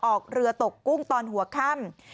ออกเรือตกกุ้งตอนหัวค่ำ